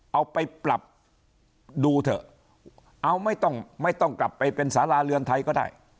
เอาไปปรับดูเถอะเอาไม่ต้องไม่ต้องกลับไปเป็นสาราเรือนไทยก็ได้